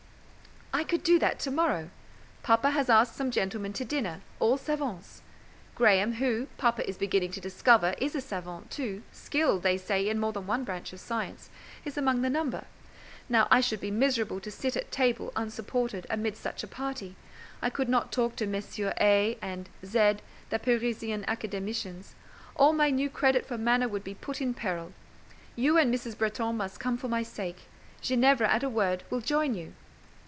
"I could do that to morrow. Papa has asked some gentlemen to dinner, all savants. Graham, who, papa is beginning to discover, is a savant, too—skilled, they say, in more than one branch of science—is among the number. Now I should be miserable to sit at table unsupported, amidst such a party. I could not talk to Messieurs A—— and Z——, the Parisian Academicians: all my new credit for manner would be put in peril. You and Mrs. Bretton must come for my sake; Ginevra, at a word, will join you."